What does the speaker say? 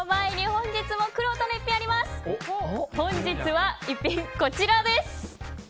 本日は逸品、こちらです。